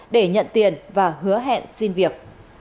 để nhận tiền và hứa hẹn xin việc